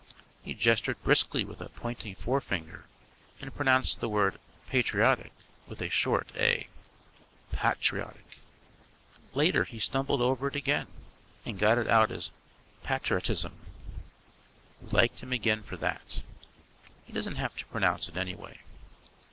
He gestured briskly with a pointing forefinger, and pronounced the word patriotic with a short A "pattriotic." Later he stumbled over it again and got it out as patterotism. We liked him again for that. He doesn't have to pronounce it, anyway.